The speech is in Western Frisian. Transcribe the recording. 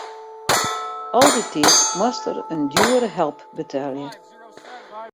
Al dy tiid moast er in djoere help betelje.